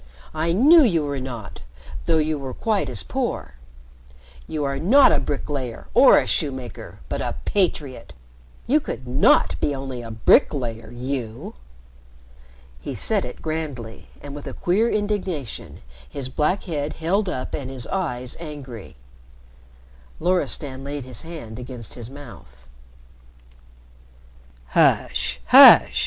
I knew you were not, though you were quite as poor. You are not a bricklayer or a shoemaker, but a patriot you could not be only a bricklayer you!" He said it grandly and with a queer indignation, his black head held up and his eyes angry. Loristan laid his hand against his mouth. "Hush! hush!"